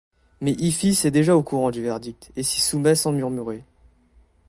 Mais Iphis est déjà au courant du verdict, et s’y soumet sans murmurer.